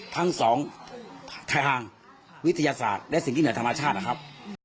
ทั้งสองทางวิทยาศาสตร์และสิ่งที่เหนือธรรมชาตินะครับ